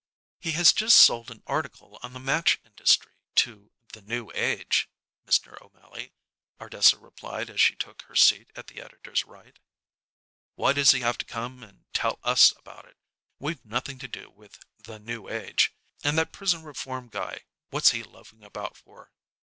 "He has just sold an article on the match industry to 'The New Age,' Mr. O'Mally," Ardessa replied as she took her seat at the editor's right. "Why does he have to come and tell us about it? We've nothing to do with 'The New Age.' And that prison reform guy, what's he loafing about for?"